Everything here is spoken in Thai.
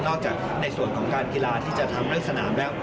จากในส่วนของการกีฬาที่จะทำเรื่องสนามแล้ว